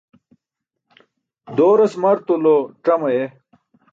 Dooras martulo cam aye.